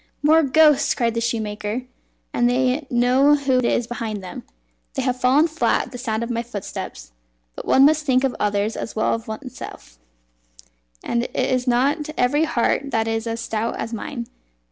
"More ghosts!" cried the shoemaker, "and they know who is behind them. They have fallen flat at the sound of my footsteps. But one must think of others as well as oneself, and it is not every heart that is as stout as mine."